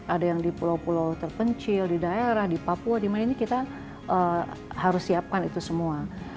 ada yang di pulau pulau terpencil di daerah di papua dimana ini kita harus siapkan itu semua